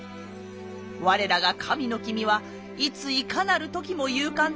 我らが神の君はいついかなる時も勇敢であらせられました。